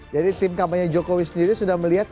jadi tim kampanye jokowi sendiri sudah melihat